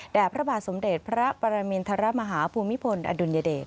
พระบาทสมเด็จพระปรมินทรมาฮาภูมิพลอดุลยเดช